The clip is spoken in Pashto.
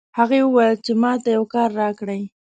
هغې وویل چې ما ته یو کار راکړئ